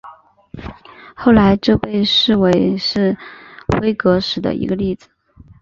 后来这被视为是辉格史的一个例子。